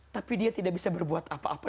tapi dia tidak bisa berbuat apa apa